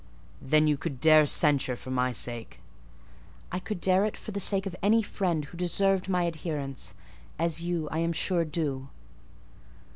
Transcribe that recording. "Then, you could dare censure for my sake?" "I could dare it for the sake of any friend who deserved my adherence; as you, I am sure, do."